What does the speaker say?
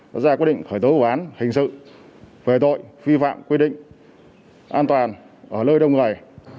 đã ra quyết định khởi tố vụ án hình sự về tội vi phạm quy định an toàn ở nơi đông người